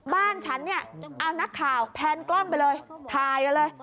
บ้านฉันเอานักข่าวแพนกล้องไปเลยถ่ายเลย